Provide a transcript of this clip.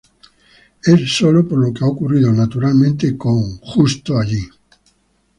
Es sólo por lo que ha ocurrido naturalmente con "Right There".